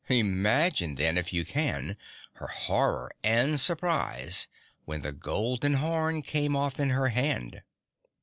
Imagine, then, if you can, her horror and surprise when the golden horn came off in her hand.